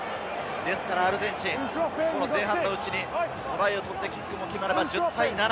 ですからアルゼンチン、前半のうちにトライを取ってキックも決まれば１０対７。